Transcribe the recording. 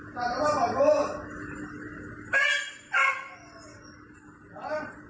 จัดไงล่ะ